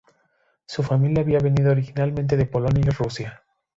Su familia había venido originalmente de Polonia y Rusia.